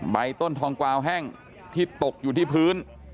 ใบต้นทองกวาวแห้งที่ตกอยู่ที่พื้น